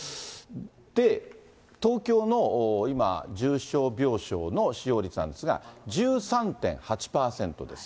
で、東京の今、重症病床の使用率なんですが、１３．８％です。